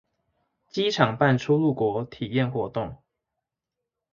機場辦出入國體驗活動